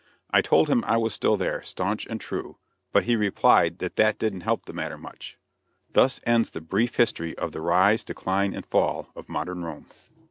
I told him I was still there, staunch and true, but he replied that that didn't help the matter much. Thus ends the brief history of the "Rise, Decline and Fall" of Modern Rome.